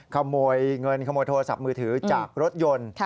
ขโมยเงินขโมยโทรศัพท์มือถือจากรถยนต์